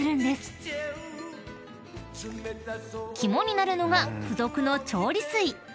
［肝になるのが付属の調理水］